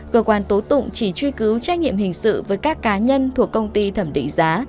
cơ quan tố tụng chỉ truy cứu trách nhiệm hình sự với các cá nhân thuộc công ty thẩm định giá